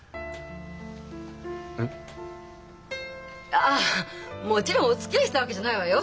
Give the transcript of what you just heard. ああっもちろんおつきあいしたわけじゃないわよ！